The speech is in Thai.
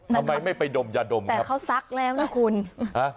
ทำไมไม่ไปดมยาดมแต่เขาซักแล้วนะคุณฮะ